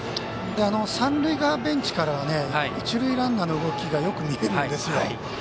三塁側ベンチからは一塁ランナーの動きがよく見えるんですよ。